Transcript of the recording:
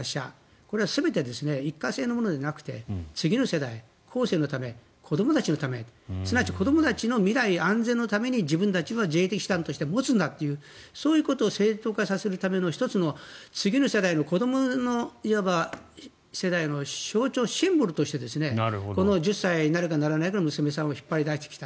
これは全て一過性のものじゃなくて次の世代、後世のため子どもたちのためすなわち子どもたちの未来、安全のために自分の自衛手段として持つんだという、そういうことを正当化させるための１つの次の世代の子どもの世代の象徴シンボルとしてこの１０歳になるかならないかの娘さんを引っ張り出してきた。